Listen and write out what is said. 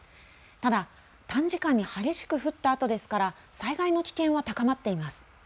ただ短時間に激しく降ったあとですから災害の危険は高まっています。